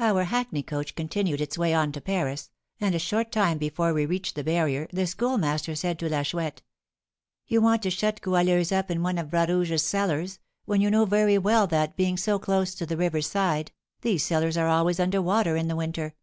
Our hackney coach continued its way on to Paris; and a short time before we reached the barrier the Schoolmaster said to La Chouette, 'You want to shut Goualeuse up in one of Bras Rouge's cellars, when you know very well that, being so close to the river's side, these cellars are always under water in the winter!